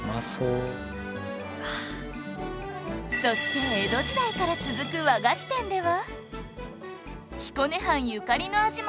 そして江戸時代から続く和菓子店では